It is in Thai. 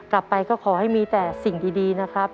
กลับไปก็ขอให้มีแต่สิ่งดีนะครับ